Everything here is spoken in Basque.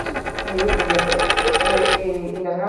Estilo pertsonalaren aurkakoa da.